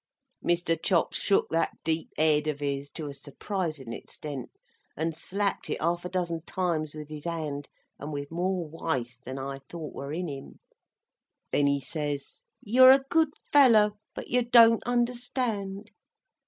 Mr. Chops shook that deep Ed of his, to a surprisin extent, and slapped it half a dozen times with his hand, and with more Wice than I thought were in him. Then, he says, "You're a good fellow, but you don't understand.